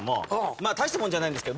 大したもんじゃないんですけど